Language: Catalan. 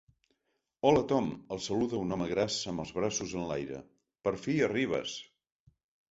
Hola Tom —el saluda un home gras amb els braços enlaire—, per fi arribes.